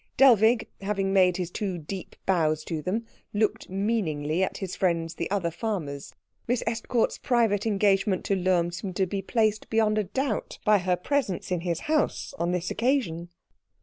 Dellwig, having made his two deep bows to them, looked meaningly at his friends the other farmers; Miss Estcourt's private engagement to Lohm seemed to be placed beyond a doubt by her presence in his house on this occasion.